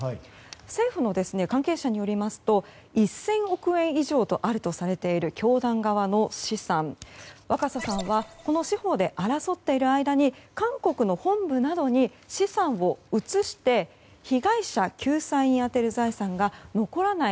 政府の関係者によりますと１０００億円以上あるとされている教団側の資産若狭さんは司法で争っている間に韓国の本部などに資産を移して被害者救済に充てる財産が残らない